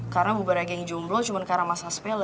karena bubarnya geng jomblo cuma karena masa sepele